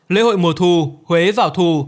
lễ hội mùa thu huế vào thu